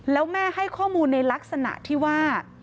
แล้วแม่ให้ข้อมูลในลักษณะที่ว่า